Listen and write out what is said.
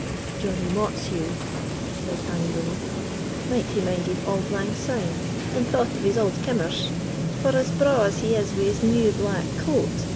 "Johnie Mortheuch," said Annie Winnie, "might hae minded auld lang syne, and thought of his auld kimmers, for as braw as he is with his new black coat.